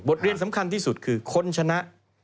เรียนสำคัญที่สุดคือคนชนะ